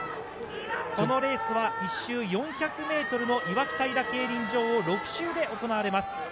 このレースは１周４００メートルのいわき平競輪場を６周で行われます。